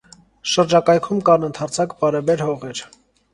Շրջակայքում կան ընդարձակ բարեբեր հողեր։